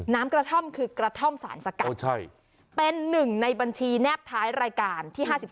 น้ำกระท่อมคือกระท่อมสารสกัดเป็นหนึ่งในบัญชีแนบท้ายรายการที่๕๓